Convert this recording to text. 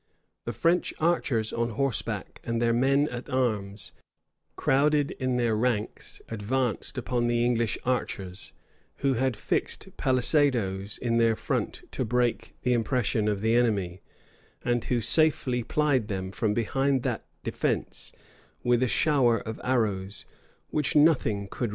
The French archers on horseback and their men at arms, crowded in their ranks, advanced upon the English archers, who had fixed palisadoes in their front to break the impression of the enemy, and who safely plied them, from behind that defence, with a shower of arrows, which nothing could resist.